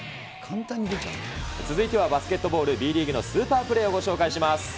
続いてはバスケットボールＢリーグのスーパープレーをご紹介します。